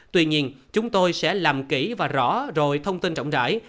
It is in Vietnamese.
tuy nhiên chúng tôi sẽ làm kỹ và rõ rồi thông tin rộng rãi